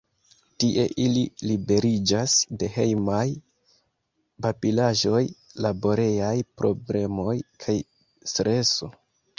Tie ili liberiĝas de hejmaj babilaĵoj, laborejaj problemoj kaj streso.